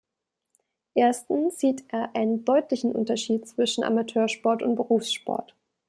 Erstens sieht er einen deutlichen Unterschied zwischen Amateursport und Berufssport.